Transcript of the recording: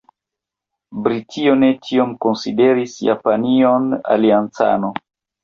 Britio ne tiom konsideris Japanion aliancano.